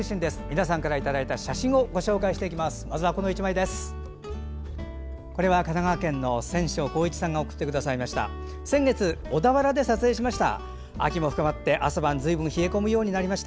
皆さんからいただいた写真ご紹介していきます。